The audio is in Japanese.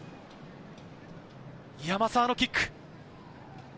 山沢のキック。